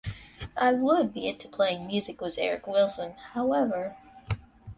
I would be into playing music with Eric Wilson, however.